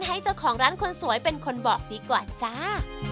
ให้เจ้าของร้านคนสวยเป็นคนบอกดีกว่าจ้า